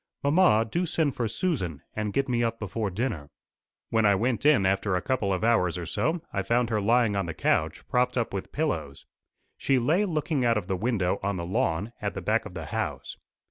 Mamma, do send for Susan, and get me up before dinner." When I went in after a couple of hours or so, I found her lying on the conch, propped up with pillows. She lay looking out of the window on the lawn at the back of the house.